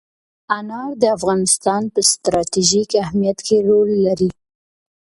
انار د افغانستان په ستراتیژیک اهمیت کې رول لري.